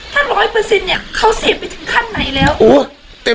ถ้าไอซ์ต้องเสียบยาเนี่ย